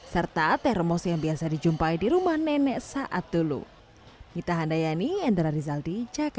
serta teh remosi yang biasa dijumpai di rumah nenek saat dulu